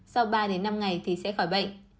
sau ba năm ngày thì sẽ khỏi bệnh